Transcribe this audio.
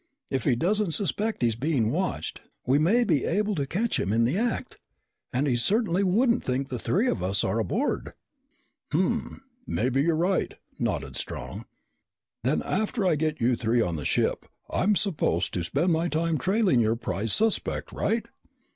If he doesn't suspect he's being watched, we may be able to catch him in the act. And he certainly wouldn't think the three of us are aboard." "Hum. Maybe you're right," nodded Strong. "Then after I get you three on the ship, I'm supposed to spend my time trailing your prize suspect, right?"